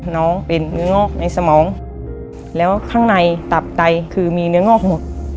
น้องเป็นเนื้องอกในสมองแล้วข้างในตับไตคือมีเนื้องอกหมด